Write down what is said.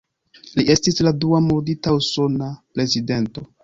Li estis la dua murdita usona prezidento.